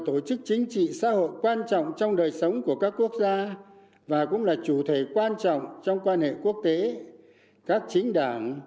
mưu cầu hạnh phúc là nguyện vọng và quyền lợi chính đáng của mọi người dân